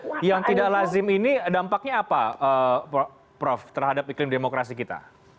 nah yang tidak lazim ini dampaknya apa prof terhadap iklim demokrasi kita